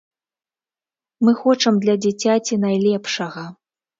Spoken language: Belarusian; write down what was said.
Мы хочам для дзіцяці найлепшага.